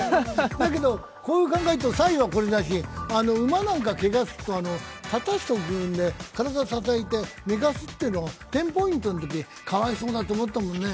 だけどこう考えるとサイはこうだし、馬なんか、けがすると、立たせておくんで体支えて、寝かすって、テンポイントのとき、かわいそうだなと思ったもんね。